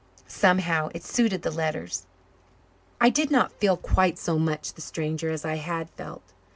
Somehow, it suited the letters. I did not feel quite so much the stranger as I had felt.